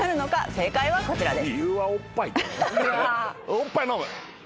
正解はこちらです。